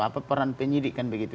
apa peran penyidik kan begitu